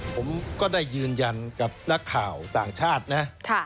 ผมก็ได้ยืนยันกับนักข่าวต่างชาตินะ